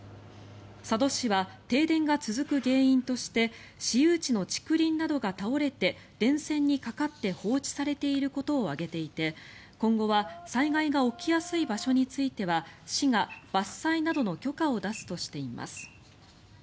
佐渡市は停電が続く原因として私有地の竹林などが倒れて電線にかかって放置されていることを挙げていて今後は災害が起きやすい場所については市が伐採などの許可を出すとしています。